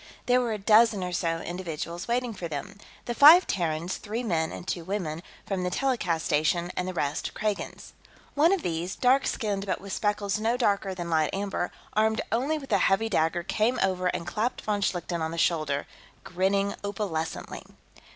There were a dozen or so individuals waiting for them the five Terrans, three men and two women, from the telecast station, and the rest Kragans. One of these, dark skinned but with speckles no darker than light amber, armed only with a heavy dagger, came over and clapped von Schlichten on the shoulder, grinning opalescently.